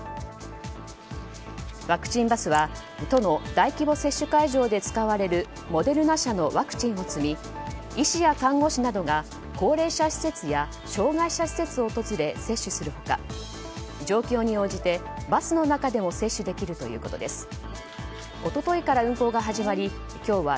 ワクチンバスは都の大規模接種会場で使われるモデルナ社のワクチンを積み医師や看護師などが高齢者施設や障害者施設を訪れ接種する他状況に応じてバスの中でも接種できるということです。